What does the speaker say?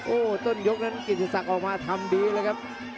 โอ้ต้นยกนั้นกินที่สังพยายามออกมาทำดีเลยครับ